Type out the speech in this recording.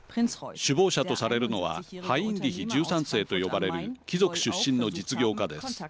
首謀者とされるのはハインリヒ１３世と呼ばれる貴族出身の実業家です。